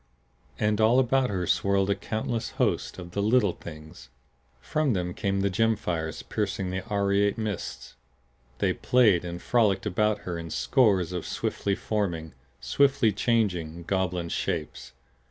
And all about her swirled a countless host of the Little Things! From them came the gem fires piercing the aureate mists. They played and frolicked about her in scores of swiftly forming, swiftly changing, goblin shapes.